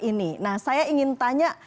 ini nah saya ingin tanya